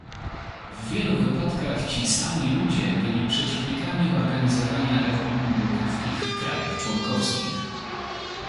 W wielu wypadkach ci sami ludzie byli przeciwnikami organizowania referendów w ich krajach członkowskich